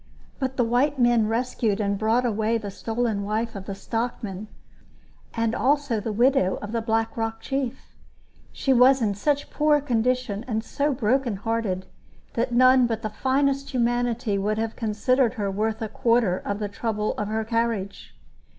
But the white men rescued and brought away the stolen wife of the stockman, and also the widow of the Black Rock chief. She was in such poor condition and so broken hearted that none but the finest humanity would have considered her worth a quarter of the trouble of her carriage.